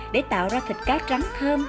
để tạo ra thịt cá trắng thơm